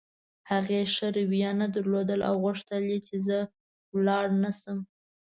هغې ښه رویه نه درلوده او غوښتل یې چې زه ولاړ نه شم.